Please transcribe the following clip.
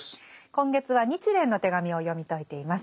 今月は「日蓮の手紙」を読み解いています。